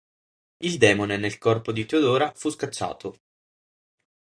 Il demone nel corpo di Teodora fu scacciato.